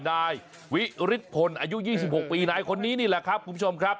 นายวิฤทธพลอายุ๒๖ปีนายคนนี้นี่แหละครับคุณผู้ชมครับ